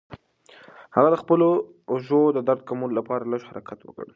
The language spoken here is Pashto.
هغه د خپلو اوږو د درد د کمولو لپاره لږ حرکت وکړ.